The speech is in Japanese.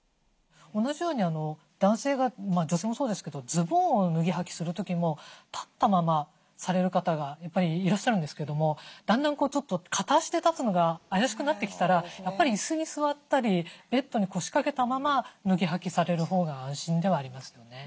同じように男性が女性もそうですけどズボンを脱ぎはきする時も立ったままされる方がやっぱりいらっしゃるんですけどもだんだん片足で立つのが怪しくなってきたらやっぱり椅子に座ったりベッドに腰掛けたまま脱ぎはきされるほうが安心ではありますよね。